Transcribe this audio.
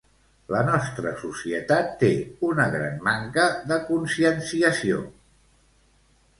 La nostra societat té una gran manca de conscienciació.